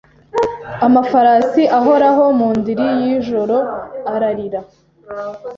amafarasi ahoraho mu ndiri yijoro ararira